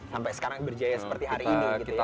sampai sekarang berjaya seperti hari ini gitu ya